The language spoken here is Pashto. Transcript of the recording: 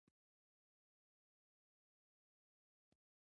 کامن وایس ته ناسمې جملې پورته کول له پښتو سره ښکاره خیانت دی.